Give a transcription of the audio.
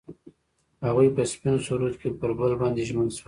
هغوی په سپین سرود کې پر بل باندې ژمن شول.